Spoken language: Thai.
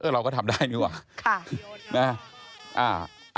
เราก็ทำได้ดีกว่า